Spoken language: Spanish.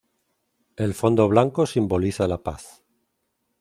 El fondo blanco simboliza la paz.